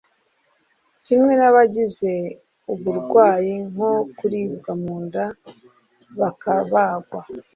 kimwe n’abagize uburwayi nko kuribwa mu nda bakabagwa